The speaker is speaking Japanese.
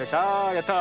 やった。